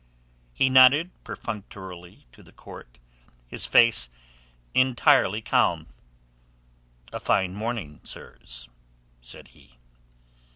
He nodded perfunctorily to the court, his face entirely calm. "A fine morning, sirs," said he.